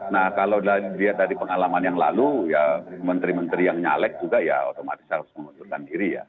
nah kalau dilihat dari pengalaman yang lalu ya menteri menteri yang nyalek juga ya otomatis harus mengundurkan diri ya